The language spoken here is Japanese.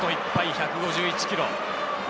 １５１キロ。